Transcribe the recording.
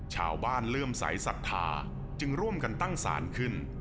ชาวบ้านเริ่มใสสักทาจึงร่วมกันตั้งสารขึ้น